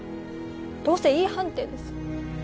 どうせＥ判定です